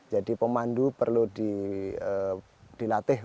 jadi pemandu perlu dilatih